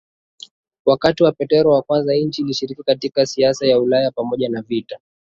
wakati wa Petro wa kwanza nchi ilishiriki katika siasa ya Ulaya pamoja na vita